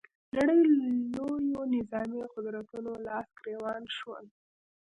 نړۍ لویو نظامي قدرتونو لاس ګرېوان شول